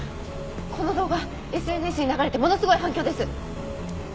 この動画ＳＮＳに流れてものすごい反響です！